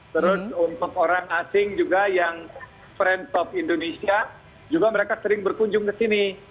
terus untuk orang asing juga yang friend top indonesia juga mereka sering berkunjung ke sini